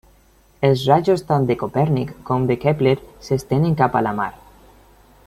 Els rajos tant de Copèrnic com de Kepler s'estenen cap a la mar.